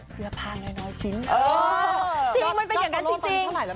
เซียพากน่อยน้อยชิ้น